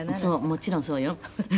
もちろんそうよ」